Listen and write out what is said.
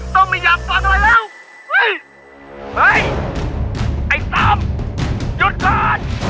ต้องไม่อยากฟังอะไรแล้วเฮ้ยเฮ้ยไอ้สำหยุดก่อน